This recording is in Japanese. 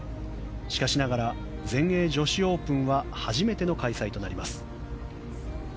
しかしながら全英女子オープンは初めての開催となります。